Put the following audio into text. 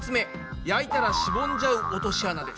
焼いたらしぼんじゃう落とし穴です。